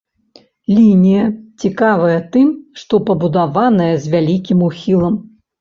Лінія цікавая тым, што пабудаваная з вялікім ухілам.